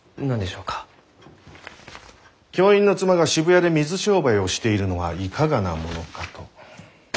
教員の妻が渋谷で水商売をしているのはいかがなものかと。